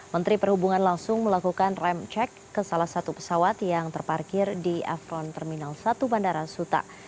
menteri perhubungan langsung melakukan rem cek ke salah satu pesawat yang terparkir di afron terminal satu bandara suta